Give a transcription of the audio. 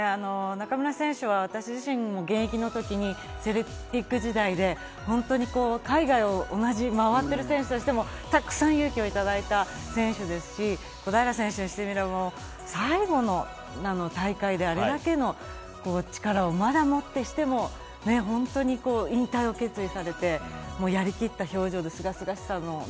中村選手は私自身も現役のときにセルティック時代で本当に海外を同じ回っている選手としてもたくさん勇気をいただいた選手ですし、小平選手にしてみても最後の大会であれだけの力をまだ持ってしても本当に引退を決意されて、やりきった表情。